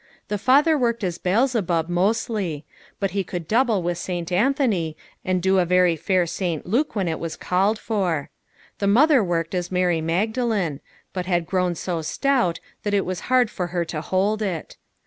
The father worked as Beelzebub mostly, but he could double with St. Anthony and do a very fair St. Luke when it was called for. The mother worked as Mary Magdalene, but had grown so stout that it was hard for her to hold it.